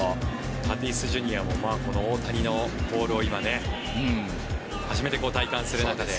タティスＪｒ．もこの大谷のボールを今、初めて体感する中で。